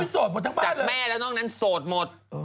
จากแม่แล้วนอกนั้นโสดหมด